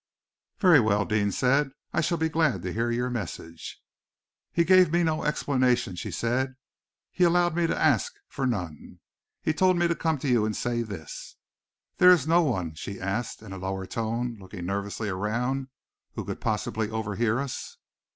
"Very well," Deane said, "I shall be glad to hear your message." "He gave me no explanation," she said. "He allowed me to ask for none. He told me to come to you and say this. There is no one," she asked, in a lower tone, looking nervously around, "who could possibly overhear us?"